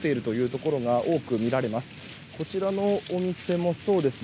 こちらのお店もそうですね